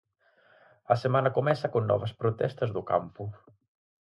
A semana comeza con novas protestas do campo.